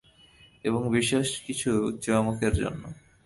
এবং বিশেষ কিছু চমকের জন্য।